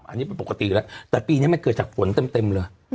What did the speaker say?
อันนี้ปกติแล้วแต่ปีนี้ไม่เกิดจากฝนเต็มเลย